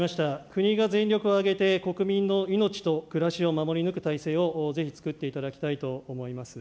国が全力を挙げて国民の命と暮らしを守り抜く体制をぜひ作っていただきたいと思います。